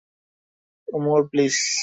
Omar, please.